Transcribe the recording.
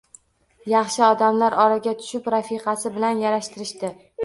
Yaxshi odamlar oraga tushib, rafiqasi bilan yarashtirishdi